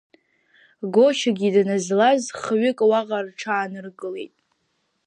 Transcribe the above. Гочагьы дназлаз, хҩык уаҟа рҽааныркылеит.